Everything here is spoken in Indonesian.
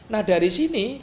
nah dari sini